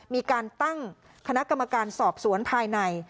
มีการตั้งคณะกรรมการสอบสวนภายใน